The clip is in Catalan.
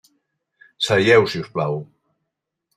Seieu, si us plau.